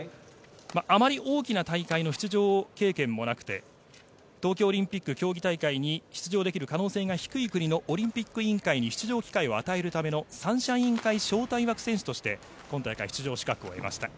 あまり大きな大会の出場経験もなくて東京オリンピック競技大会に出場できる可能性が低い国のオリンピック委員会に出場機会を与えるための三者委員会招待枠選手として今大会出場資格を得ました。